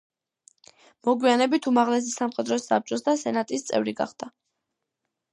მოგვიანებით უმაღლესი სამხედრო საბჭოს და სენატის წევრი გახდა.